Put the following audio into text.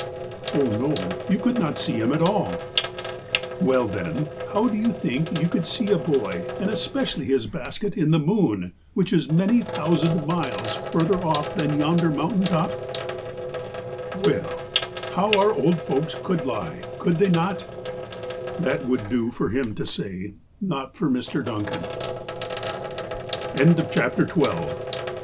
''Oh, no, you could not see him at all." " Well, then, how do you think you could see a boy, and especially his basket, in the moon, which is many thousand miles further off than yonder mountain topi" "Well, how our old folks could lie, could they not I" That would do for him to